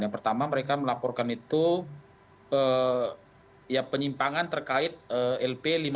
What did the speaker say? yang pertama mereka melaporkan itu penyimpangan terkait lp lima ratus delapan puluh lima